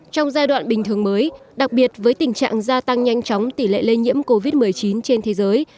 trong giai đoạn bình thường mới đặc biệt với tình trạng gia tăng nhanh chóng tỷ lệ lây nhiễm covid một mươi chín trên thế giới